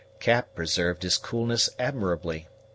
Cap preserved his coolness admirably.